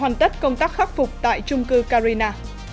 hoàn tất công tác khắc phục tại trung cư carina